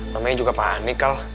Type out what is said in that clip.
mamanya juga panik kal